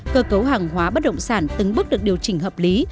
cơ cấu hàng hóa bất động sản từng bước được điều chỉnh hợp lý